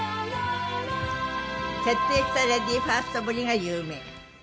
徹底したレディーファーストぶりが有名。